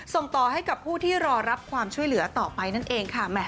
ส่งต่อให้กับผู้ที่รอรับความช่วยเหลือต่อไปนั่นเองค่ะ